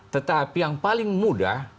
tetapi yang paling mudah